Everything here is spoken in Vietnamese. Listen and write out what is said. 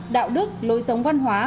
đạo đức lối sống văn hóa